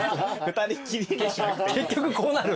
結局こうなる。